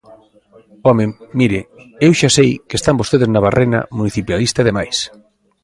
¡Home!, mire, eu xa sei que están vostedes na barrena municipalista e demais.